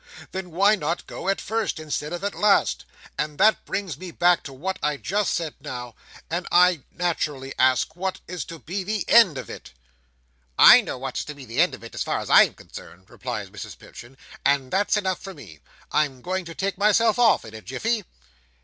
Then why not go at first instead of at last? And that brings me back to what I said just now, and I naturally ask what is to be the end of it?" "I know what's to be the end of it, as far as I am concerned," replies Mrs Pipchin, "and that's enough for me. I'm going to take myself off in a jiffy."